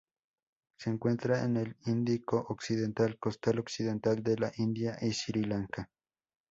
Se encuentra en el Índico occidental: costa occidental de la India y Sri Lanka.